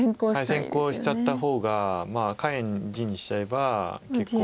先行しちゃった方が下辺地にしちゃえば結構。